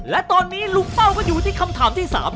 และตอนนี้ลุงเป้าก็อยู่ที่คำถามที่๓